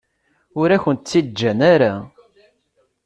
Ur akent-tt-id-ǧǧan ara.